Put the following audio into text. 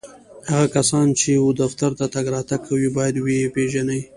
هغه کسان چي و دفتر ته تګ راتګ کوي ، باید و یې پېژني